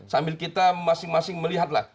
sambil kita masing masing melihat lah